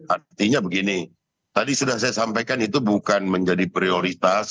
artinya begini tadi sudah saya sampaikan itu bukan menjadi prioritas